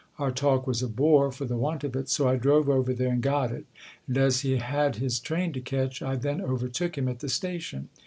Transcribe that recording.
Our talk was a bore for the want of it, so I drove over there and got it, and, as he had his train to catch, I then overtook him at the station.